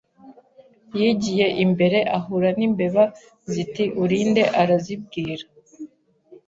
Yigiye imbere ahura n' imbeba ziti Uri nde Arazibwira